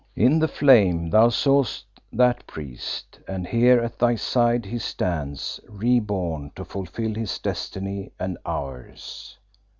"In the flame thou sawest that priest, and here at thy side he stands, re born, to fulfil his destiny and ours.